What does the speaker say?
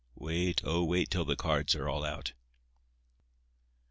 Wait, oh, wait till the cards are all out."